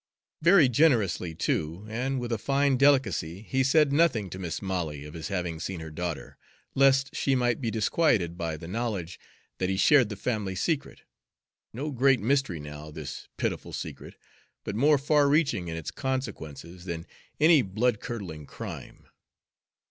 Very generously too, and with a fine delicacy, he said nothing to Mis' Molly of his having seen her daughter, lest she might be disquieted by the knowledge that he shared the family secret, no great mystery now, this pitiful secret, but more far reaching in its consequences than any blood curdling crime.